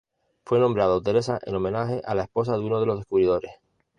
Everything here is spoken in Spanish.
Fue nombrado Teresa en homenaje a la esposa de uno de los descubridores.